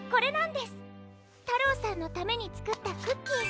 たろうさんのためにつくったクッキー。